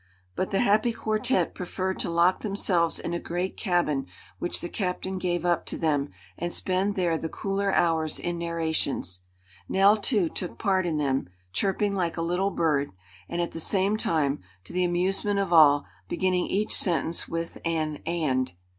But the happy quartette preferred to lock themselves in a great cabin which the captain gave up to them and spend there the cooler hours in narrations. Nell, too, took part in them, chirping like a little bird, and at the same time, to the amusement of all, beginning each sentence with an "and."